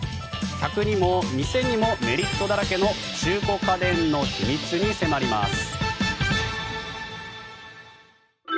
客にも店にもメリットだらけの中古家電の秘密に迫ります。